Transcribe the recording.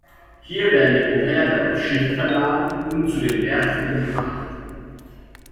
Hier werden die Propeller dann auf Schiffe verladen und zu den Werften gebracht.